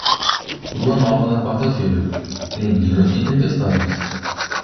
Lua nova na quarta-feira, neblina e tempestades.